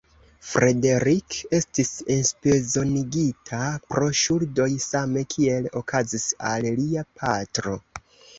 Frederick estis enprizonigita pro ŝuldoj, same kiel okazis al lia patro.